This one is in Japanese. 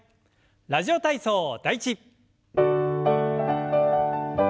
「ラジオ体操第１」。